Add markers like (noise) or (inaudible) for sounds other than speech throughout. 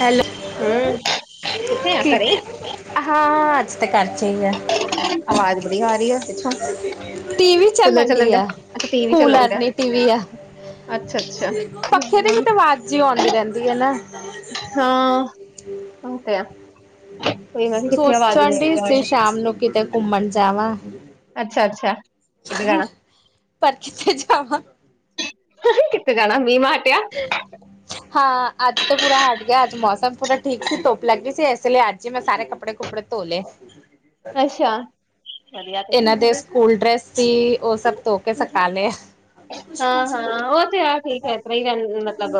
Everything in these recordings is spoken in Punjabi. ਹੈਲੋ। ਹੂੰ, ਕਿੱਥੇ ਐਂ ਘਰੀਂ। ਹਾਂ, ਅੱਜ ਤਾਂ ਘਰ ਚ ਹੀ ਆ। ਆਵਾਜ਼ ਬੜੀ ਆ ਰਹੀ ਐ ਪਿੱਛੋਂ। ਟੀਵੀ ਕੂਲਰ ਚੱਲਣ ਡਈ ਡਿਆ ਆ, ਅੱਛਾ ਟੀਵੀ ਚੱਲਣ ਕੂਲਰ ਡਿਆ ਨੀ ਟੀਵੀ ਆ। ਅੱਛਾ ਅੱਛਾ ਪੱਖੇ ਦੀ ਵੀ ਹੂੰ ਤਾਂ, ਆਵਾਜ਼ ਜੀ ਆਉਂਦੀ ਰਹਿੰਦੀ ਐ ਨਾ। ਹਾਂ, ਉਹ ਤੇ ਹੈ। ਸੋਚਣ ਡਈ ਸੀ, ਸ਼ਾਮ ਨੂੰ ਕਿਤੇ ਘੁੰਮਣ ਜਾਵਾਂ। ਅੱਛਾ- ਅੱਛਾ, ਕਿਧਰ ਜਾਣਾ। ਪਰ ਕਿੱਥੇ ਜਾਵਾਂ। ਕਿੱਥੇ ਜਾਣਾ, ਮੀਂਹ ਮਾਂਹ ਹਟਿਆ। (inaudible) ਹਾਂ ਅੱਜ ਤਾਂ ਪੂਰਾ ਹਟ ਗਿਆ, ਅੱਜ ਮੌਸਮ ਪੂਰਾ ਠੀਕ ਸੀ, ਧੁੱਪ ਲੱਗ ਗਈ ਸੀ, ਇਸ ਲਈ ਅੱਜ ਹੀ ਮੈਂ ਸਾਰੇ ਕੱਪ ਕੱਪੜੇ- ਕੁਪੜੇ ਧੋ ਲਏ। ਅੱਛਾ (unintelligible) ਇਹਨਾਂ ਦੇ ਸਕੂਲ ਡਰੈਸ ਸੀ, ਉਹ ਸਭ ਧੋ ਕੇ ਸੁਕਾ ਲਿਆ। ਹਾਂ- ਹਾਂ, ਉਹ ਤੇ ਹੈ ਠੀਕ ਹੈ, ਇਤਰ੍ਹਾਂ ਹੀ ਰ ਮਤਲਬ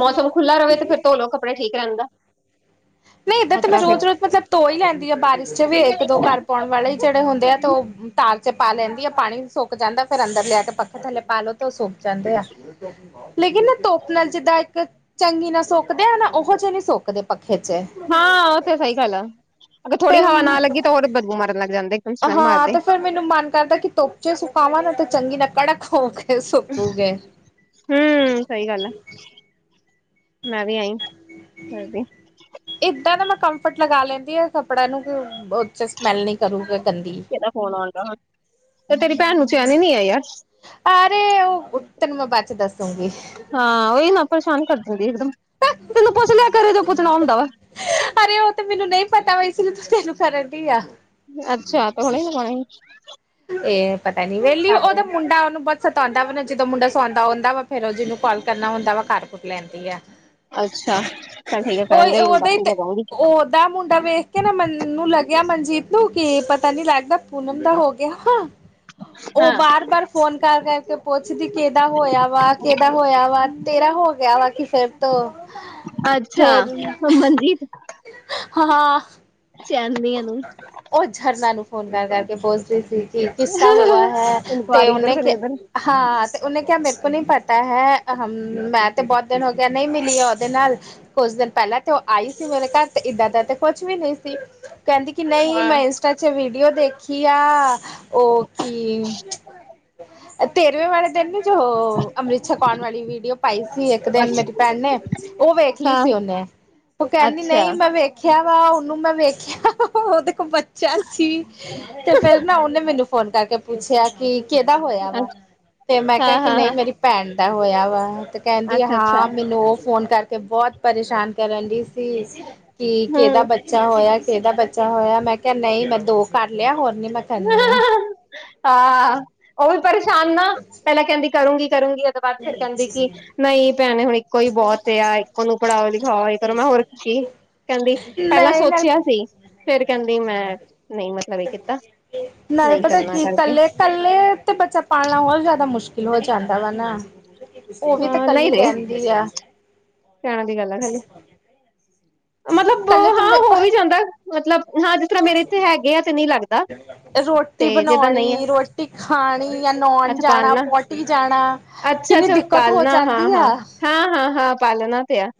ਮੌਸਮ ਖੁੱਲਾ ਰਵੇ, ਤੇ ਫਿਰ ਧੋਲੋ ਕੱਪੜੇ ਠੀਕ ਰਹਿੰਦਾ। ਨਹੀਂ, ਇੱਦਾਂ ਉਸ ਤੇ ਮੈਂ ਤਰ੍ਹਾਂ ਫਿਰ ਰੋਜ਼- ਰੋਜ਼ ਮਤਲਬ ਧੋ ਹੀ ਲੈਂਦੀ ਆਂ, ਬਾਰਿਸ਼ ਚ ਵੀ ਇੱਕ ਦੋ ਘਰ ਪਾਉਣ ਵਾਲੇ ਹੀ ਜਿਹੜੇ ਹੁੰਦੇ ਆ, ਤੇ ਉਹ ਤਾਰ ਚ ਪਾ ਲੈਂਦੀ ਆ ਪਾਣੀ ਸੁੱਕ ਜਾਂਦਾ, ਫੇਰ ਅੰਦਰ ਲਿਆ ਕੇ ਪੱਖੇ ਥੱਲੇ ਪਾ ਲਓ, ਤੇ ਉਹ ਸੁੱਕ ਜਾਂਦੇ ਆ। (unintelligible) ਲੇਕਿਨ ਨਾ ਧੁੱਪ ਨਾਲ, ਜਿੱਦਾਂ ਇੱਕ ਚੰਗੀ ਨਾਲ ਸੁੱਕਦੇ ਆ ਨਾ, ਉਹੋ ਜਿਹੇ ਨਹੀਂ ਸੁੱਕਦੇ ਪੱਖੇ ਚ। ਹਾਂ ਉਹ ਤੇ ਸਹੀ ਗੱਲ ਐ, ਅਗਰ ਥੋੜੀ ਫਿਰ ਹਵਾ ਨਾ ਲੱਗੀ, ਤਾਂ ਉਹ ਬਦਬੂ ਮਾਰਨ ਲੱਗ ਜਾਂਦੇ ਆ। ਹਾਂ ਤੇ ਫੇਰ ਮੈਨੂੰ ਮਨ ਕਰਦਾ ਕਿ ਧੁੱਪ ਚ ਸੁਕਾਵਾਂ ਨਾ, ਤੇ ਚੰਗੀ ਨਾ ਕੜਕ ਹੋਓਗੇ। ਫੇਰ ਸੁੱਕੁਗੇ। ਹੂੰ ਸਹੀ ਗੱਲ ਆ, ਮੈਂ ਵੀ ਅਈਂ ਕਰਦੀ। ਏਦਾਂ ਦਾ ਮੈਂ ਕੰਫਰਟ ਲਗਾ ਲੈਂਦੀ ਆ ਕੱਪੜਿਆਂ ਨੂੰ, ਕਿ ਉਹ ਚ ਸਮੈਲ ਨਹੀਂ ਕਰੂਗਾ ਗੰਦੀ। ਉਹਦਾ ਫ਼ੋਨ ਆਂਦਾ ਹੁਣ, ਉਹ ਤੇਰੀ ਭੈਣ ਨੂੰ ਚੈਣ ਐ ਨੀ ਐ ਯਰ। ਅਰੇ ਉਹ ਤੈਨੂੰ ਮੈਂ ਬਾਦ ਚ ਦੱਸੂਗੀ। ਹਾਂ ਉਹੀ ਨਾ ਪਰੇਸ਼ਾਨ ਕਰਦੇਦੀ ਇਕਦਮ ਤੈਨੂੰ ਪੁੱਛ ਲਿਆ ਕਰਰੇ ਪੁੱਛਣਾ ਹੁੰਦਾ ਵਾ। ਅਰੇ ਉਹ ਤੇ ਮੈਨੂੰ ਨਹੀਂ ਪਤਾ ਐਸ ਕਾਰਕੇ ਮੈ ਤੈਨੂੰ ਕਰਨ ਡ ਆ। ਅੱਛਾ ਤਾਂ ਹੁਣੇ (unintelligible) ਇਹ ਪਤਾ ਨੀ ਵਹਲੀ ਕੱਟ ਉਹਦਾ ਦੇਣਾ ਮੁੰਡਾ ਉਹਨੂੰਹੁਤ ਸਤਾਉਂਦਾ ਵਾ ਨਾ ਜਦੋਂ ਮੁੰਡਾ ਸੌਉਂਦਾ ਹੁੰਦਾ ਵਾ ਫੇਰ ਉਹ ਜਿਹਨੂੰ ਕਾਲ ਕਰਨਾ ਹੁੰਦਾ ਵਾ ਕਾਰ ਕੁਰ ਲੈਂਦੀ ਆ। ਅੱਛਾ ਚੱਲ ਠੀਕ ਹੈ ਕਰਨ ਓਹ ਦੇ ਓਹੀ ਹ ਬਾਕੀ ਤੇ ਲਗਾਉਂਗੀ ਓਦਾ ਮੁੰਡਾ ਵੇ। ਕਹਿੰਦਾ ਮੈਨੂੰ ਲੱਗਿਆ ਮਨਜੀਤ ਨੂੰ ਕਿ ਪਤਾ ਨੀ ਲੱਗਦਾ ਪੂਨਮ ਦਾ ਹੋ ਗਿਆ ਹਾਂ। ਉਹ ਹਾਂ ਬਾਰ ਬਾਰ ਫੋਨ ਕਰ ਕਰਕੇ ਪੁੱਛਦੀ ਕਿਹਦਾ ਹੋਇਆ ਵਾ ਕਿਹਦਾ ਹੋਇਆ ਵਾ ਤੇਰਾ ਹੋ ਕਿਹਾ ਹੈ ਫੇਰ ਤੋਂ। ਅੱਛਾ। ਮਨਜੀਤ। ਹਾਂ-ਹਾਂ। ਚੈਨ ਨੀ ਏਹਨੂੰ। ਉਹ ਛਰਨਾ ਨੂੰ ਫੋਨ ਕਰ ਕਰ ਕੇ ਪੁੋਛਦੀ ਸੀ ਕਿ ਕਿਸਕਾ ਹੁਆ ਹੈ ਤੇ ਇਨਕੁਆਰੀ ਓਹ ਇਧਰ ਸੇ ਨਹੀਂ ਉਧਰ ਹਾਂ ਤੇ ਉਹਨੇ ਕਿਹਾ ਮੇਰੇ ਕੋ ਨੀ ਪਤਾ ਹੈ ਹ ਮੈਂ ਤੇ ਬਹੁਤ ਦਿਨ ਹੋ ਗਿਆ ਨਹੀਂ ਮਿਲੀ ਉਹਦੇ ਨਾਲ। ਕੁਝ ਦਿਨ ਪਹਿਲਾਂ ਤੇ ਉਹ ਆਈ ਸੀ ਮੇਰੇ ਘਰ ਤੇ ਇਏਦਾਂ ਦਾ ਤੇ ਕੁਛ ਵੀ ਨਹੀਂ ਸੀ। ਕਹਿੰਦੀ ਕਿ ਨਹੀਂ ਹਾਂ ਮੈਂ ਇੰਸਟਾ ਚ ਵੀਡੀਓ ਦੇਖੀ ਆ। ਓਕੀ, ਇਹ ਤੇਰਵੇਂ ਵਾਲੇ ਦਿਨ ਅੰਮ੍ਰਿਤ ਛਕਾਉਣ ਵਾਲੀ ਵੀਡੀਓ ਪਾਈ ਸੀ ਇੱਕ ਦਿਨ ਮੇਰੀ ਅੱਛਾ ਭੈਣ ਨੇ। ਉਹ ਵੇਖ ਲਈ ਹਾਂ ਸੀ ਉਹਨੇ ਉਹ ਕਹਿੰਦੀ ਅੱਛਾ ਨਹੀਂ ਮੈਂ ਵੇਖਿਆ ਵਾ ਉਹਨੂੰ ਮੈਂ ਵੇਖਿਆ ਓਹ ਤੇ ਕੋ ਬੱਚਾ ਸੀ। ਤੇ ਫੇਿਰ ਨਾ ਉਹਨੇ ਮੈਨੂੰ ਫੋਨ ਕਰਕੇ ਪੁੱਛਿਆ ਕਿ ਕਿਹਦਾ ਹੋਇਆ ਅੱਛ ਵਾ। ਤੇ ਮੈਂ ਹਾਂ ਕਿਹਾ ਕਿ ਹਾਂ ਨਹੀਂ ਹਾਂ ਮੇਰੀ ਭੈਣ ਦਾ ਹੋਇਆ ਵਾ ਤੇ ਕਹਿੰਦੀ ਅੱਛਾ ਅੱਛਾ ਹਾਂ ਮੈਨੂੰ ਉਹ ਫੋਨ ਕਰਕੇ ਬਹੁਤ ਪਰੇਸ਼ਾਨ ਰਹਿੰਦੀ ਸੀ ਕਿ ਹੂੰ ਕਿਹਦਾ ਬੱਚਾ ਹੋਇਆ ਕਿਹਦਾ ਬੱਚਾ ਛਾ ਹੋਇਆ ਮੈਂ ਕਿਹਾ ਨਹੀਂ ਮੈਂ ਦੋ ਕਰ ਲਿਆ ਹੋਰ ਨੀ ਮੈਂ ਕਰਨੀ ਆ। ਹਹ ਉਹ ਵੀ ਪਰੇਸ਼ਾਨ ਨਾ ਪਹਿਲਾਂ ਕਹਿੰਦੀ ਕਰੂੰਗੀ-ਕਰੂੰਗੀ ਉਹਦੇ ਬਾਅਦ ਫਿਰ ਕਹਿੰਦੀ ਕਿ ਨਹੀਂ ਭੈਣੇ ਹੁਣ ਇੱਕੋ ਹੀ ਬਹੁਤ ਆ ਇੱਕੋ ਨੂੰ ਪੜ੍ਹਾਓ ਲਿਖਾਓ ਕਰੋ ਮੈਂ ਹੋਰ ਕੀ। ਕਹਿੰਦੀ ਪਹਿਲਾਂ ਨਹੀਂ ਨਾਲ ਸੋਚਿਆ ਸੀ ਫੇਿਰ ਕਹਿੰਦੀ ਮੈਂ ਨਹੀਂ ਮਤਲਬ ਇਹ ਕੀਤਾ। ਨੜ ਨਹੀਂ ਪਤਾ ਕਰਨਾ ਕੀ ਕਰਕੇ ਕੱਲੇ-ਕੱਲੇ ਤੇ ਬੱਚਾ ਪਾਲਣਾ ਹੋਤ ਜ਼ਿਆਦਾ ਮੁਸ਼ਕਿਲ ਹੋ ਜਾਂਦਾ ਵਾ ਨਾ ਉਹ ਵੀ ਤਾਂ ਹਾਂ ਨਹੀਂ ਕੱਲੀ ਰਹੇ ਰਹਿੰਦੀ ਆ। ਕਹਿਣ ਦੀ ਗੱਲ ਆ ਖਾਲੀ, ਮਤਲਬ ਕੱਲੇ ਤੋਂ ਹਾਂ ਹੋ ਵੀ ਜਾਂਦਾ ਮਤਲਬ ਹਾਂ ਜਿਸ ਤਰ੍ਹਾਂ ਮੇਰੇ ਇੱਥੇ ਹੈਗੇ ਆ ਤੇ ਨਹੀਂ ਲੱਗਦਾ। (inaudible) ਰੋਟੀ ਤੇ ਜਿੱਦਾਂ ਨਹੀਂ ਆ ਬਣਾਉਣੀ, ਰੋਟੀ ਖਾਣੀ ਜਾਂ ਨਉਣ ਜਾਣਾ, ਪੋਟੀ ਜਾਣਾ। ਕਿੰਨੀ ਅੱਛਾ-ਅੱਛਾ ਦਿੱਕਤ ਹੋ ਪਾਲਣਾ ਜਾਂਦੀ ਹਾਂ-ਹਾਂ। ਆ ਹਾਂ-ਹਾਂ-ਹਾਂ ਪਾਲਣਾ ਤੇ ਆ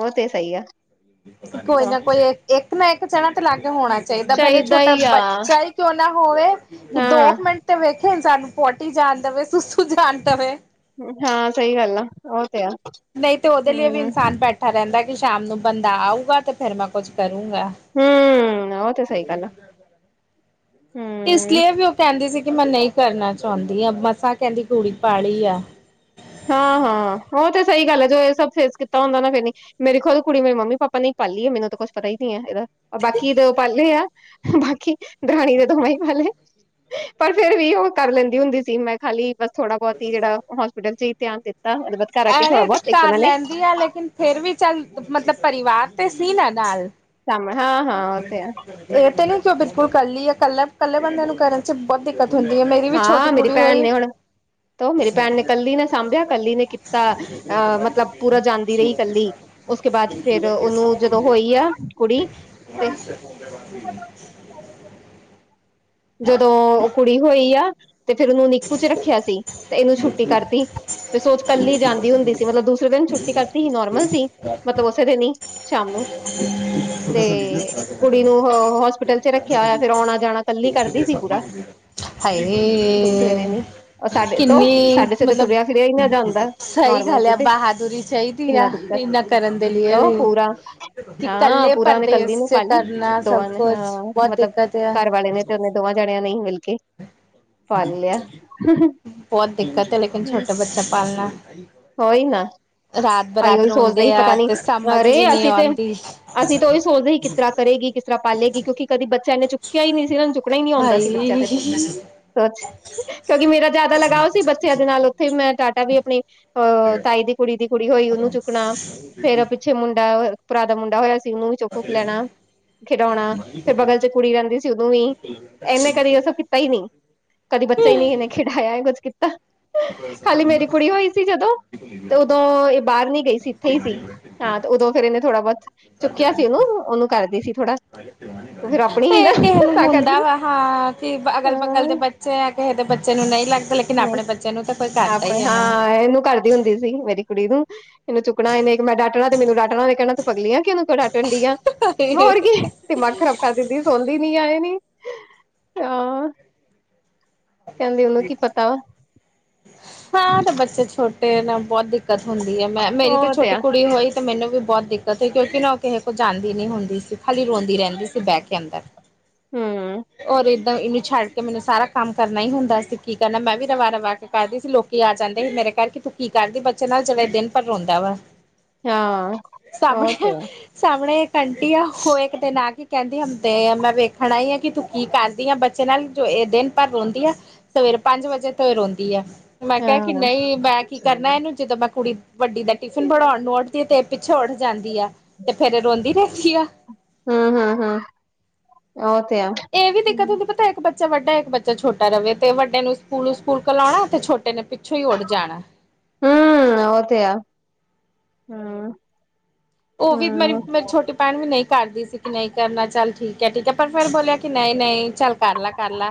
ਉਹ ਤੇ ਸਹੀ ਆ। ਕੋਈ ਤਾਂ ਨਾ ਕੋਈ ਇੱਕ ਨਾ ਇੱਕ ਜਾਨਾ ਤੇ ਲਾਗੇ ਹੋਣਾ ਚਾਹੀਦਾ ਭਲੇ ਛੋਟਾ ਹੀ ਆ ਬੱਚਾ ਹੀ ਕਿਉਂ ਨਾ ਹੋਵੇ ਕਿ ਦੋ ਹਾਂ ਕੁ ਮਿੰਟ ਤੇ ਵੇਖੇ ਇਨਸਾਨ ਪੋਟੀ ਜਾਣ ਦੇਵੇ ਸੁਸੂ ਜਾਣ ਦੇਵੇ ਹਾਂ ਸਹੀ ਗੱਲ ਆ ਉਹ ਤੇ ਆ ਨਹੀਂ ਤੇ ਉਹਦੇ ਲਈ ਵੀ ਹਮ ਇਨਸਾਨ ਬੈਠਾ ਰਹਿੰਦਾ ਕਿ ਸ਼ਾਮ ਨੂੰ ਬੰਦਾ ਆਊਗਾ ਤੇ ਫੇਰ ਮੈਂ ਕੁੱਝ ਕਰੂੰਗਾ ਹਮ ਉਹ ਤੇ ਸਹੀ ਗੱਲ ਆ ਇਸ ਹਮ ਲਈ ਵੀ ਉਹ ਕਹਿੰਦੀ ਸੀ ਕਿ ਮੈਂ ਨਹੀਂ ਕਰਨਾ ਚਾਹੁੰਦੀ ਹ ਮਸਾਂ ਕਹਿੰਦੀ ਗੂੜੀ ਪਾਲੀ ਆ ਹਾਂ ਹਾਂ ਉਹ ਤੇ ਸਹੀ ਗੱਲ ਹੈ ਜੋ ਇਹ ਸਭ ਫੇਸ ਕੀਤਾ ਹੁੰਦਾ ਨਾ ਫੇ ਨੀ ਮੇਰੀ ਖੁਦ ਕੁੜੀ ਮੇਰੇ ਮੰਮੀ ਪਾਪਾ ਨੇ ਪਾਲੀ ਹੈ ਮੈਨੂੰ ਤਾਂ ਕੁਛ ਪਤਾ ਹੀ ਨੀ ਹੈ ਇਹਦਾ ਬਾਕੀ ਇਹਦੇ ਉਹ ਪਾਲੇ ਆ ਬਾਕੀ ਦਰਾਣੀ ਦੇ ਦਵਾ ਹੀ ਪਾਲੇ ਪਰ ਫੇਰ ਵੀ ਉਹ ਕਰ ਲੈਂਦੀ ਹੁੰਦੀ ਸੀ ਮੈਂ ਖਾਲੀ ਬਸ ਥੋੜਾ ਬਹੁਤ ਹੀ ਜਿਹੜਾ ਹੋਸਪਟਲ ਚ ਹੀ ਧਿਆਨ ਦਿੱਤਾ ਮ ਬਾਦ ਘ ਆ ਥੋੜਾ ਐਰੇ ਤੇ ਬਹੁਤ ਦੇ ਕਰ ਉਹ ਨੇ ਲੈਂਦੀ ਆ ਲੇਕਿਨ ਫੇਰ ਵੀ ਚੱਲ ਮਤਲਬ ਪਰਿਵਾਰ ਤੇ ਸੀ ਨਾ ਨਾਲ ਕੰਮ ਹਾਂ ਹਾਂ ਉਹ ਤੇ ਹੈ। ਇਹ ਤੇ ਨੀ ਕਿ ਉਹ ਬਿਲਕੁਲ ਇਕੱਲੀ ਹੈ ਇਕੱਲਾ ਇਕੱਲੇ ਬੰਦੇ ਨੂੰ ਕਰਨ। ਬਹੁਤ ਦਿੱਕਤ ਹੁੰਦੀ ਹੈ ਮੇਰੀ ਵੀ ਛੋਟੀ ਕੁੜੀ ਹੋਈ। ਤਾਂ ਉਹ ਮੇਰੀ ਭੈਣ ਨੇ ਕੱਲੀ ਨੇ ਸਾਂਭਿਆ ਕੱਲੀ ਨੇ ਕੀਤਾ ਅ ਮਤਲਬ ਪੂਰਾ ਜਾਂਦੀ ਰਹੀ ਕੱਲੀ। ਉਸਕੇ ਬਾਅਦ ਫੇਰ ਉਹਨੂੰ ਜਦੋਂ ਹੋਈ ਆ ਕੁੜੀ। ਤੇ (unintelligible) ਜਦੋਂ ਕੁੜੀ ਹੋਈ ਆ ਤੇ ਫੇਰ ਉਹਨੂੰ ਨਿੱਕੂ ਚ ਰੱਖਿਆ ਸੀ ਤੇ ਇਹਨੂੰ ਛੁੱਟੀ ਕਰਤੀ। ਤੇ ਸੋਚ ਕੱਲੀ ਜਾਂਦੀ ਹੁੰਦੀ ਸੀ, ਮਤਲਬ ਦੂਸਰੇ ਦਿਨ ਛੁੱਟੀ ਕਰਦੀ ਸੀ ਨੋਰਮਲ ਸੀ। ਮਤਲਬ ਉਸੇ ਦਿਨ ਹੀ ਸ਼ਾਮ ਨੂੰ ਤੇ ਕੁੜੀ ਨੂੰ ਹੋਸਪਿਟਲ। ਰੱਖਿਆ ਹੋਇਆ ਫਿਰ ਆਉਣਾ ਜਾਣਾ ਕੱਲੀ ਕਰਦੀ ਸੀ ਪੂਰਾ। ਦੂਸਰੇ ਦਿਨ ਹਾਏ ਹੀ, ਸਾਡੇ ਤੋਂ ਕਿੰਨੀ ਸਾਡੇ ਤੋਂ ਤੇ ਮਤਲਬ ਤੁਰਿਆ ਫਿਰਿਆ ਹੀ ਨਹੀ ਜਾਂਦਾ। ਸਹੀ ਨੋਰਮਲ ਗੱਲ ਚ ਆ ਤੇ ਬਹਾਦੁਰੀ ਚਾਹੀਦੀ ਕਿੰਨਾ ਆ ਦਿੱਕਤ ਇੰਨਾ ਕਰਨ ਦੇ ਲਈ ਕੋ ਵੀ ਪੂਰਾ। ਕਿ ਹਾਂ ਕੱਲੇ ਪੂਰਾ ਉਹਨੇ ਕੱਲੀ ਪਰਦੇਸ ਨੇ ਚ ਪਾਲੀ ਕਰਨਾ ਸਭ ਦੋਵਾਂ ਨੇ, ਕੁਛ ਹਾਂ ਬਹੁਤ ਮਤਲਬ ਦਿੱਕਤ ਆ ਘਰ ਵਾਲੇ ਨੇ। ਤੇ ਉਹਨੇ ਦੋਵਾਂ ਜਣਿਆਂ ਨੇ ਹੀ ਮਿਲਕੇ। ਬਹੁਤ ਦਿੱਕਤ ਹੈ ਲੇਕਿਨ ਛੋਟਾ ਬੱਚਾ ਪਾਲਣਾ। ਹੋਈ ਨਾ। ਰਾਤ ਅਹੀ ਬਰਾਤ ਉਹੀ ਸੋਚਦੇ ਰੋਂਦੇ ਸੀ ਪਤਾ ਆ ਨੀ ਤੇ ਸਮਝ ਅਰੇ ਵੀ ਨਹੀਂ ਅਸੀਂ ਤੇ ਆਉਂਦੀ ਅਸੀਂ ਤਾਂ ਉਹੀ ਸੋਚਦੇ ਸੀ ਕਿਸ ਤਰ੍ਹਾਂ। ਕਰੇਗੀ ਕਿਸ ਤਰ੍ਹਾਂ ਪਾਲੇਗੀ ਕਿਉਂਕਿ ਕਦੀ ਬੱਚਾ ਇਹਨੇ ਚੁੱਕਿਆ ਹੀ ਨਹੀਂ ਸੀ ਇਹਨੂੰ ਚੁੱਕਣਾ ਹੀ ਨੀ ਆਂਦਾ ਸੀ ਭਾਈ ਬੱਚਾ ਕਦੀ। ਸਚ ਕਿਉਂਕਿ ਮੇਰਾ ਜ਼ਿਆਦਾ ਲਗਾਓ ਸੀ ਬੱਚਿਆਂ ਦੇ ਨਾਲ ਉੱਥੇ ਮੈਂ ਟਾਟਾ ਵੀ ਆਪਣੀ। ਅਹ ਤਾਈ ਦੀ ਕੁੜੀ ਦੀ ਕੁੜੀ ਹੋਈ ਉਹਨੂੰ ਚੁੱਕਣਾ ਫੇਰ। ਤੇ ਮੁੰਡਾ ਭਰਾ ਦਾ ਮੁੰਡਾ ਹੋਇਆ ਸੀ ਉਹਨੂੰ ਵੀ ਚੁਕ ਚੁਕ ਲੈਣਾ। ਖਿਡਉਣਾ ਫੇਰ ਬਗਲ ਚ ਕੁੜੀ ਰਹਿੰਦੀ ਸੀ ਉਹਨੂੰ ਵੀ ਇਹਨੇ ਇਹ ਸਬ ਕਦੀ ਕੀਤਾ ਹੀ ਨਹੀ। ਕਦੀ ਬੱਚਾ ਹੀ ਨੀ ਇਹਨੇ ਖਿਡਾਇਆ ਕੁੱਝ ਕੀਤਾ। ਖਾਲੀ ਮੇਰੀ ਕੁੜੀ ਹੋਈ (unintelligible) ਸੀ ਜਦੋਂ ਤੇ ਉਦੋਂ ਇਹ ਬਾਹਰ ਨੀ ਗਈ ਸੀ ਇੱਥੇ ਹੀ ਸੀ ਹਾਂ ਤੇ ਉਦੋਂ ਫੇਰ ਇਹਨੇ ਥੋੜਾ ਬਹੁਤ। ਚੁੱਕਿਆ ਸੀ ਉਹਨੂੰ ਉਹਨੂੰ ਕਰਦੀ ਸੀ ਥੋੜਾ। (unintelligible) ਉਹ ਫੇਰ ਆਪਣੀ ਹੀ ਨਾ ਤੇ ਕਿਸੇ ਨੂੰ ਤਾਂ ਹੁੰਦਾ ਕਰਕੇ ਵਾ ਹਾਂ ਕਿ ਅਗਲ ਬਗਲ ਦੇ ਹਾਂ ਬੱਚੇ ਆ ਕਿਸੇ ਦੇ ਬੱਚੇ ਨੂੰ ਨਹੀਂ ਲੱਗਦਾ ਲੇਕਿਨ। ਆਪਣੇ ਬੱਚਿਆਂ ਨੂੰ ਤਾਂ ਕੋਈ ਕਰਦਾ ਹੀ ਹੈ ਆਪਣੇ ਨਾ। ਹਾਂ ਇਹਨੂੰ ਕਰਦੀ ਹੁੰਦੀ ਸੀ ਮੇਰੀ ਕੁੜੀ ਨੂੰ। ਮੈਨੂੰ ਚੁੱਕਣਾ ਇਹਨੇ ਮੈਂ ਡਾਟਣਾ ਤੇ ਮੈਨੂੰ ਡੱਟਣਾ ਮੈਂ ਕਹਿਣਾ ਤ ਤੇ ਪਗਲੀਆਂ ਕਿ ਉਹਨੂੰ ਡਾਟਣਾ ਡੀਆਂ ਮੈਂ ਨਾ ਹੋਰ ਕੀ। ਦਿਮਾਗ ਖਰਾਬ ਕਰ ਦਿੰਦੀ ਸੋਂਦੀ ਨੀ ਆ ਇਹ ਨੀ ਹਾਂ। ਕਹਿੰਦੀ ਉਹਨੂੰ ਕੀ ਪਤਾ। ਹਾਂ ਤੇ ਬੱਚੇ ਛੋਟੇ ਨਾ ਬਹੁਤ ਦਿੱਕਤ ਹੁੰਦੀ ਹੈ ਮੈਂ ਮੇਰੀ ਤੇ ਉਹ ਛੋਟੀ ਆ ਕੁੜੀ ਨੂੰ ਹੋਈ। ਤੇ ਮੈਨੂੰ ਵੀ ਬਹੁਤ ਦਿੱਕਤ ਹੋਈ ਕਿਉਂਕਿ ਉਹ ਕਿਸੇ ਕੋਲ ਜਾਂਦੀ ਨੀ ਹੁੰਦੀ ਸੀ ਖਾਲੀ ਰੋਂਦੀ ਰਹਿੰਦੀ ਸੀ ਬਹਿ ਕੇ ਅੰਦਰ। ਹਮ ਔਰ ਏਦਾਂ ਇਹਨੂੰ ਛੱਡ ਕੇ ਮੈਨੂੰ ਸਾਰਾ ਕੰਮ ਕਰਨਾ ਹੀ ਹੁੰਦਾ ਸੀ ਕੀ ਕਰਨਾ ਮੈਂ ਵੀ ਰਵਾ ਰਵਾ ਕੇ ਕਰਦੀ ਸੀ ਲੋਕ। ਲੋਕੀ ਆ ਜਾਂਦੇ ਸੀ ਮੇਰੇ ਘਰ ਕਿ ਤੂੰ ਕੀ ਕਰਦੀ ਬੱਚੇ ਨਾਲ ਜਿਹੜਾ ਦਿਨ ਭਰ ਰੋਂਂਦਾ ਵਾ। ਹਾਂ ਉਹ ਤੇ ਸਾਹਮਣੇ। ਸਾਹਮਣੇ ਇਕ ਆਂਟੀ ਆ ਉਹ ਇੱਕ ਦਿਨ ਆ ਕੇ ਕਹਿੰਦੀ ਹੁਣ ਤੇ ਮੈਂ ਵੇਖਣਾ ਆਈ ਆ। ਕਿ ਤੂੰ ਕੀ ਕਰਦੀ ਆ ਬੱਚੇ ਨਾਲ ਜੋ ਇਹ ਦਿਨ ਭਰ ਰੋਂਦੀ ਆ ਸਵੇਰੇ ਪੰਜ ਵਜੇ ਤੋਂ ਹੀ ਰੋਂਦੀ ਆ। ਮੈਂ ਆ ਕਿਹਾ ਕਿ ਹਾਂ, ਨਹੀਂ ਹੀ ਮੈਂ। ਕੀ ਕਰਨਾ ਇਹਨੂੰ ਜਦੋਂ ਮੈਂ ਕੁੜੀ ਵੱਡੀ ਦਾ ਟਿਫਿਨ ਬਣਾਉਣ ਨੂੰ ਉੱਠਦੀ ਆ ਤੇ ਪਿੱਛੇ ਉੱਠ ਜਾਂਦੀ ਆ। ਤੇ ਫੇਰ ਰੋਂਦੀ ਵੇਖੀ ਆ। ਹਮ ਹਮ ਹਮ ਉਹ ਤੇ ਆ। ਇਹ ਵੀ ਦਿੱਕਤ ਹੁੰਦੀ ਪਤਾ ਇੱਕ ਬੱਚਾ ਵੱਡਾ ਇੱਕ ਬੱਚਾ ਛੋਟਾ ਰਹੇ ਤੇ ਵੱਡੇ ਨੂੰ ਸਕੂਲੂ ਸਕੂਲ ਲਾਉਣਾ ਤੇ ਛੋਟੇ ਨੇ। ਪਿੱਛੋਂ ਹੀ ਉੱਠ ਜਾਣਾ। ਹਮ ਉਹ ਤੇ ਹੈ। ਹਮ। ਉਹ ਵੀ ਮੇਰੀ ਛੋਟੀ ਭੈਣ ਵੀ ਨਹੀਂ ਕਰਦੀ ਸੀ ਕਿ ਨਹੀਂ ਕਰਨਾ ਚੱਲ ਠੀਕ ਹੈ ਠੀਕ ਹੈ ਪਰ ਫੇਿਰ ਬੋਲਿਆ ਕਿ ਨਹੀਂ ਨਹੀਂ ਚੱਲ ਕਰਲਾ ਕਰ ਲ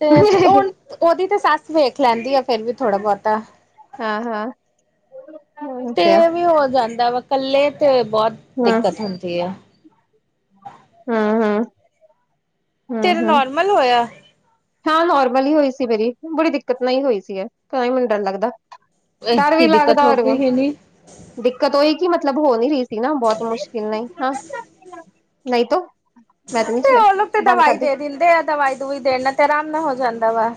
ਤੇ ਹੁਣ ਉਹਦੀ ਤੇ ਸੱਸ ਵੇਖ ਲੈਂਦੀ ਆ ਫੇਿਰ ਵੀ ਥੋੜਾ ਬਹੁਤਾ ਹਾਂ ਹਾਂ ਤੇ ਵੀ ਹੋ ਜਾਂਦਾ ਵਾ ਕੱਲੇ ਤੇ ਬਹੁਤ ਦਿੱਕਤ ਹੁੰਦੀ ਆ ਹਾਂ ਹਾਂ ਤੇਰਾ ਨੋਰਮਲ ਹੋਇਆ ਹਾਂ ਨੋਰਮਲ ਹੀ ਹੋਈ ਸੀ ਮੇਰੀ ਬੜੀ ਦਿੱਕਤ ਨਾਲ ਹੀ ਹੋਈ ਸੀ ਪਰ ਮੈਨੂੰ ਡਰ ਲੱਗਦਾ ਡਰ ਵੀ ਕੀ ਦਿੱਕਤ ਲੱਗਦਾ ਹੋ ਹੋਰ ਵੀ ਗਈ ਹੀ ਨੀ ਦਿੱਕਤ ਉਹੀ ਕਿ ਮਤਲਬ ਹੋ ਨਹੀਂ ਰਹੀ ਸੀ ਨਾ ਬਹੁਤ ਮੁਸ਼ਕਿਲ ਨਹੀਂ ਹਾਂ ਨਹੀਂ ਤ ਤੇ ਉਹ ਲੋਕ ਤੇ ਦਵਾਈ ਦੇ ਦਿੰਦੇ ਆ ਦਵਾਈ ਦੁਵੁਈ ਦੇਣ ਨਾਲ ਤੇ ਆਰਾਮ ਨਾਲ ਹੋ ਜਾਂਦਾ ਵਾ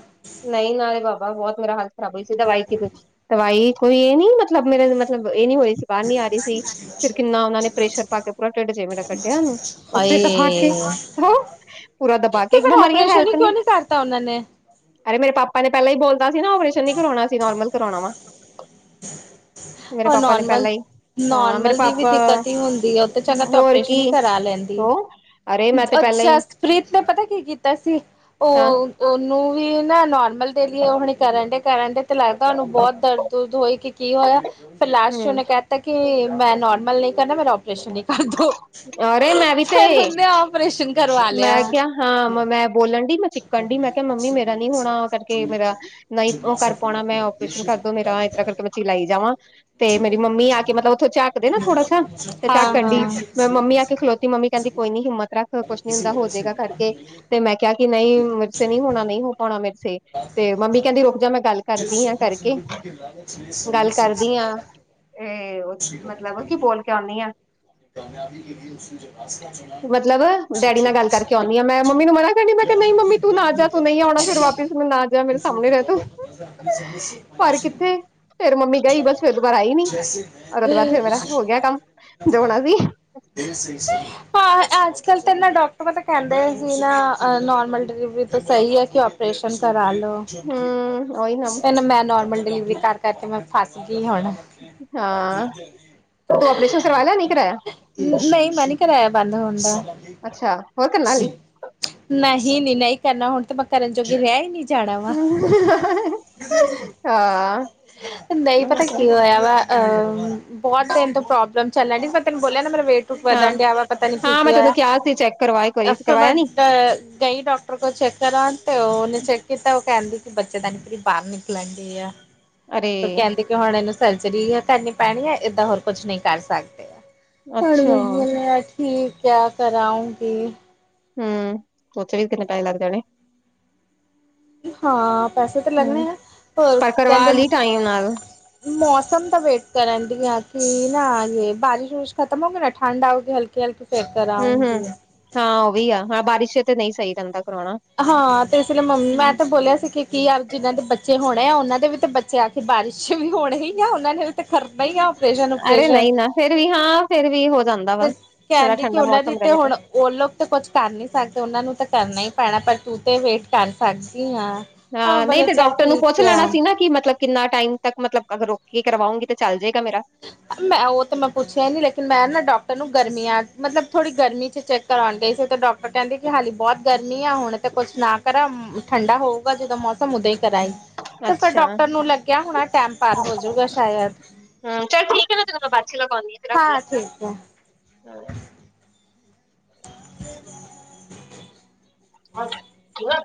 ਨਹੀਂ ਨਾਲੇ ਬਾਬਾ ਬਹੁਤ ਮੇਰਾ ਹਾਲਤ ਖਰਾਬ ਹੋਈ ਸੀ ਦਵਾਈ ਸੀ ਦਵਾਈ ਕੋਈ ਇਹ ਨੀ ਮਤਲਬ ਮੇਰੇ ਮਤਲਬ ਇਹ ਨੀ ਹੋਏ ਸੀ ਬਾਹਰ ਨੀ ਆ ਰਹੀ ਸੀ ਫਿਰ ਕਿੰਨਾ ਉਹਨਾ ਨੇ ਪ੍ਰੈਸ਼ਰ ਪਾ ਕੇ ਪੂਰਾ ਢਿੱਡ ਜਿ ਮੇਰਾ ਕੱਢਿਆ ਉਹਨੂੰ ਉੱਥੇ ਦਬਾ ਹਾਏ ਕੇ ਹੋ ਪੂਰਾ ਦਬਾ ਕੇ ਤੇ ਇੱਕ ਫਿਰ ਬਿਮਾਰੀਆਂ ਓਪਰੇਸ਼ਨ ਹੀ ਹੈਲਪ ਨੇ ਕਿਉਂ ਨੀ ਕਰਤਾ ਉਹਨਾਂ ਨੇ ਅਰੇ ਮੇਰੇ ਪਾਪਾ ਨੇ ਪਹਿਲਾਂ ਹੀ ਬੋਲਦਾ ਸੀ ਨਾ ਓਪਰੇਸ਼ਨ ਨੀ ਕਰਾਉਣਾ ਸੀ ਨੋਰਮਲ ਕਰਾਉਣਾ ਵਾ (unintelligible) ਮੇਰੇ ਪਾਪਾ ਨੇ ਨੋਰਮਲ ਪਹਿਲਾਂ ਹੀ ਹਾਂ ਮੇਰੇ ਨੋਰਮਲ ਦੀ ਵੀ ਪਾਪਾ ਦਿੱਕਤ ਹੀ ਹੁੰਦੀ ਉਹ ਤੇ ਚੰਗਾ ਹੋਰ ਆਪਓਰੇਸ਼ਨ ਹੀ ਕੀ ਕਰਾ ਲੈਂਦੀ ਉਹ ਅਰੇ ਮੈਂ ਤੇ ਪਹਿਲਾਂ ਹੀ ਜਸਤਪ੍ਰੀਤ ਨੇ ਪਤਾ ਕੀ ਕੀਤਾ ਸੀ ਹਾਂ ਉਹ ਉਹਨੂੰ ਵੀ ਨਾ ਨੋਰਮਲ ਦੇ ਲਈ ਉਹ ਹੁਣੀ ਕਰਨ ਡ ਕਰਨਟਏ ਤੇ ਲੱਗਦਾ ਉਹਨੂੰ ਬਹੁਤ ਦਰਦ ਹੋਈ ਕਿ ਕੀ ਹੋਇਆ ਫਿਰ ਲਾਸਟ ਹਮ ਉਹਨੇ ਕ ਕਿਹਾਤਾ ਕਿ ਮੈਂ ਨੋਰਮਲ ਨਹੀਂ ਕਰਨਾ ਮੇਰਾ ਪ੍ਰਸ਼ਨ ਹੀ ਕਰ ਦੋ ਅਰੇ ਮੈਂ ਵੀ ਤੇ ਫੇਰ ਹੁਨੇ ੳ ਮੈਂ ਕਿਹਾ ਹਾਂ ਮੈਂ ਬੋਲਣ ਡੀ ਮੈਂ ਚਿੱਕਣ ਡੀ ਮੈਂ ਕਿਹਾ ਮੰਮੀ ਮੇਰਾ ਨਹੀ ਹੋਣਾ ਕਰਕੇ ਕੇ ਮੇਰਾ ਨਹੀਂ ਉਹ ਕਰ ਪਾਉਣਾ ਮੈਂ ਆਪਰੇਸ਼ਨ ਕਰਦੋ ਮੇਰਾ ਏਦਾ ਕਰਕੇ ਮੈ ਚਿਲਾਈ ਜਾਵਾ ਤੇ ਮਂੰਮੀ ਆਕੇ ਮਤਲਬ ਦੇ ਨਾ ਥੋੜਾ ਸ ਤੇ ਚੱਕ ਹਾਂ ਕਣਡੀ ਮੈਂ ਮੰਮੀ ਆ ਕੇ ਖਲੋਤੀ ਮੰਮੀ ਕਹਿੰਦੀ ਹਾਂ ਕੋਈ ਨੀ ਹਿੰਮਤ ਰੱਖ ਕੁਛ ਨ ਹੁੰਦਾ ਹੋਜਏਗਾ ਕਰਕੇ ਤੇ ਮੈਂ ਕਿਹਾ ਕਿ ਨਹੀਂ ਮਿਰਸ ਨੀ ਹੋਣਾ ਨਹੀਂ ਹੋ ਪਾਉਣਾ ਮਿਰਸੇ ਤੇ ਮੰਮੀ ਕਹਿੰਦੀ ਰੁਕ ਜਾ ਮੈਂ ਗੱਲ ਕਰਦੀ ਹਾਂ ਕਰਕੇ ਗੱਲ ਕਰਦੀ ਹਾਂ ਇਹ ਮਤਲਬ ਕੀ ਬੋਲ ਕੇ ਆਉਂਦੀ ਆ ਕਾਮਯਾਬੀ ਕੇ ਉਸਨੇ ਜੋ ਹਸਾ ਚੁਣਾ ਮਤਲਬ ਡੈਡੀ ਨਾਲ ਗੱਲ ਕਰਕੇ ਆਉਂਦੀ ਹ ਮੈਂ ਮੰਮੀ ਨੂੰ ਮਨਾ ਕਦੀ ਮੈਂ ਕਿਹਾ ਨਹੀਂ ਮੰਮੀ ਤੂੰ ਨਾ ਜਾ ਤੂੰ ਨਹੀਂ ਆਉਣਾ ਫਿਰ ਵਾਪਿਸ ਤੂੰ ਨਾ ਜਾ ਮੇਰੇ ਸਾਹਮਣੇ ਰਹਿ ਤੂੰ ਪਰ ਕਿੱਥੇ ਫਿਰ ਮੰਮੀ ਗਈ ਬਸ ਫਿਰ ਦਬਾਰ ਆਈ ਨੀ ਉਹਦੇ ਬਾਅਦ ਫਿਰ ਮੇਰਾ ਹੋ ਗਿਆ ਕੰਮ ਜੋ ਹੋਣਾ ਸੀ ਤੇਨ ਸਹੀ ਸਹੀ ਹਾਂ ਅੱਜ ਕੱਲ ਤਾਂ ਨਾ ਡਾਕਟਰ ਪਤਾ ਕਹਿੰਦੇ ਆ ਜੀ ਨਾ ਨੋਰਮਲ ਡਿਲੀਵਰੀ ਤਾਂ ਸਹੀ ਹੈ ਕਿਂ ਓਪਰੇਸ਼ਨ ਕਰਾ ਲਓ ਹੂੰ ਉਹੀ ਇਹ ਨਾ ਮੈਂ ਨੋਰਮਲ ਡਿਲੀਵਰੀ ਕਰ ਕਰਕੇ ਮੈਂ ਫਸ ਗਈ ਹੁਣ ਹਾਂ ਦੇਖ ਰਹੇ ਤੂੰ ਆਪਰੇਸ਼ਨ ਕਰਵਾ ਲਿਆ ਨਹੀਂ ਕਰਾਇਆ (unintelligible) ਨਹੀਂ ਮੈਂ ਨੀ ਕਰਾਇਆ ਬੰਦ ਹੋਣ ਦਾ ਅੱਛਾ ਹੋਰ ਕਰਨਾ ਹਾਲੀ ਨਹੀਂ ਨਹੀਂ ਨਹੀਂ ਕਰਨਾ ਹੁਣ ਤੇ ਮੈਂ ਕਰਨ ਜੋਗੇ ਰਹਿ ਹੀ ਨਹੀਂ ਜਾਣਾ ਵਾ। ਹੂ ਹਾ ਹਾ ਹਾ ਨਹੀਂ ਉਹ ਪਤਾ ਤੇ ਕੀ ਹੋਇਆ ਵਾ ਬਹੁਤ ਦੇਰ ਤੋਂ ਪ੍ਰੋਬਲਮ ਚੱਲਣ ਡੀ ਪਰ ਮੈਂ ਤੈਨੂੰ ਬੋਲਿਆ ਨਾ ਮੇਰਾ ਵੇਟ ਤ ਹਾਂ ਵਧਣ ਡਿਆ ਵਾ ਪਤਾ ਨੀ ਠੀ ਹਾਂ ਕੀ ਮੈਂ ਤੈਨੂੰ ਹੋਇਆ ਕਿਹਾ ਸੀ ਚੈੱਕ ਕਰਵਾ ਇੱਕ ਵਾਰੀ ਅੋ ਕਰਵਾਇਆ ਨੀ ਕਈ ਡੋਕਟਰ ਕੋ ਚੈੱਕ ਕਰਉਣ ਤੇ ਉਹਨੇ ਚੈੱਕ ਕੀਤਾ। ਕਹਿੰਦੇ ਕਿ ਬੱਚੇ ਦਾਨੀ ਫਿਰ ਬਾਹਰ ਨਿਕਲਣਗੀ ਆ ਅਰੇ ਫਿਰ ਕਹਿੰਦੀ ਕਿ ਹੁਣ ਇਹਨੂੰ ਸਰਜਰੀ ਕਰਨੀ ਪੈਣੀ ਹੈ ਏਦਾਂ ਹੋਰ ਕੁੱਛ ਨਹੀਂ ਕਰ ਸਕਦੇ। ਹੂੰ ਅੱਛਾ ਮੈਂ ਬੋਲਿਆ ਠੀਕ ਆ ਕਰਾਂਉਗੀ ਹੂੰ ਉੱਥੇ ਵੀ ਕਿੰਨੇ ਪੈਹੇ ਲੱਗ ਜਾਣੇ ਹਾਂ ਪੈਸੇ ਤਾਂ ਲੱਗਣੇ ਹੂੰ ਹੈ ਹੋਰ ਪਰ ਕੀ ਕਰਵਾ ਕਹਿੰਦੇ ਲਈ ਟਾਈਮ ਨਾਲ ਮੌਸਮ ਤਾਂ ਵੇਟ ਕਰਨ ਡੀਆ ਕਿ ਨਾ ਯ ਬਾਰਿਸ਼- ਵਾਰਿਸ਼ ਖਤਮ ਹੋ ਗੀ ਨਾ ਠੰਡ ਆਓਗੀ ਹਲਕੀ- ਹਲਕੀ ਫੇਰ ਹੂੰ- ਹੂੰ ਕਰਾਉਂਗੀ ਹਾਂ। ਉਹ ਵੀ ਆ ਹਾਂ ਬਾਰਿਸ਼ ਤੇ ਨਹੀਂ ਸਹੀ ਰਹਿੰਦਾ ਕਰਵਾਉਣਾ। ਹਾਂ। ਤੇ ਇਸ ਵੇਲੇ ਮੰਮੀ ਮੈਂ ਤੇ ਬੋਲਿਆ ਸੀ ਕਿ ਕੀ ਆਪ ਜਿਹਨਾਂ ਦੇ ਬੱਚੇ ਹੋਣੇ ਆ ਉਹਨਾਂ ਦੇ ਵੀ ਤਾਂ ਬੱਚੇ ਆ ਕੇ ਬਾਰਿਸ਼ ਵੀ ਹੋਣੇ। ਉਹਨਾਂ ਨੇ ਵੀ ਤਾਂ ਕਰਨਾ ਹੀ ਓਪਰੇਸ਼ਨ- ਅਰੇ ਓਪਰੇਸ਼ਨ। ਨਹੀਂ ਨਾ ਫੇਰ ਵੀ ਹਾਂ ਫੇਰ ਵੀ ਹੋ ਜਾਂਦਾ ਵਾ। ਥੋੜਾ ਕਹਿੰਦੀ ਕਿ ਠੰਡਾ ਉਹਨਾਂ ਦੀ ਮੌਸਮ ਰਹੇ ਤੇ ਹੁਣ ਉਹ ਲੋਕ ਤਾਂ ਕੁਛ ਕਰ ਨੀ ਸਕਦੇ ਉਹਨਾਂ ਨੂੰ ਤਾਂ ਕਰਨਾ ਹੀ ਪੈਣਾ ਪਰ ਤੂੰ ਤੇ ਵੇਟ ਕਰ ਸਕਦੀ ਆਂ। ਹਾਂ, ਨਹੀਂ ਤੇ ਡਾਕਟਰ ਨੂੰ ਪੁੱਛ ਲੈਣਾ ਸੀ ਨਾ ਕਿ ਮਤਲਬ ਕਿੰਨਾ ਟਾਈਮ ਤੱਕ ਮਤਲਬ ਅਗਰ ਰੁਕ ਕੇ ਕਰਵਾਉਗੀ ਤਾਂ ਚੱਲ ਜਾਏਗਾ ਮੇਰਾ। ਮੈਂ ਉਹ ਤਾਂ ਮੈਂ ਪੁੱਛਿਆ ਹੀ ਨੀ ਲੇਕਿਨ ਮੈਂ ਨਾ ਡਾਕਟਰ ਨੂੰ ਗਰਮੀਆਂ ਮਤਲਬ ਥੋੜੀ ਗਰਮੀ 'ਚ ਚੈੱਕ ਕਰਾਉਣ ਗਈ ਸੀ ਤੇ ਡਾਕਟਰ ਕਹਿੰਦੇ ਕਿ ਹਾਲੀ ਬਹੁਤ ਗਰਮੀ ਆ ਹੁਣ ਤਾਂ ਕੁਛ ਨਾ ਕਰਾਂ। ਠੰਡਾ ਹੋਊਗਾ ਜਦੋਂ ਮੌਸਮ ਉਦੋਂ ਹੀ ਕਰਾਂਈ। ਤੇ ਫਿਰ ਅੱਛਾ ਡਾਕਟਰ ਨੂੰ ਲੱਗਿਆ ਹੁਣ ਟਾਈਮ ਪਾਰ ਹੋਜੂਗਾ ਸ਼ਾਇਦ ਹੂੰ, ਚੱਲ ਠੀਕ ਮੈਂ ਤੈਨੂੰ ਬਾਦ 'ਚ ਕਾਲ ਲਾਂਵਾਗੀ। ਹਾਂ, ਸਹੀ ਏ। (unintelligible) (inaudible) ਹੋਰ ਠੀਕ ਏ।